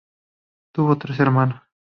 Tuvo tres hermanos.